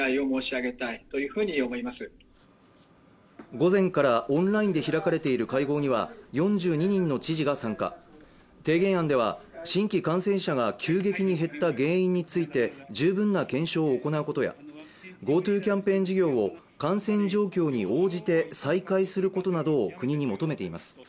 午前からオンラインで開かれている会合には４２人の知事が参加提言案では新規感染者が急激に減った原因について十分な検証を行うことやＧｏＴｏキャンペーン事業を感染状況に応じて再会することなどを国に求めています